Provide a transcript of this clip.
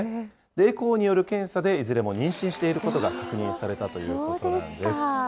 エコーによる検査で、いずれも妊娠していることが確認されたといそうですか。